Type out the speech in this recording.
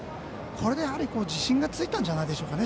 これで自信がついたんじゃないでしょうか。